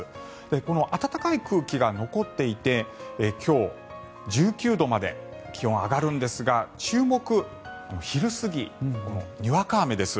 この暖かい空気が残っていて今日、１９度まで気温、上がるんですが注目、昼過ぎにわか雨です。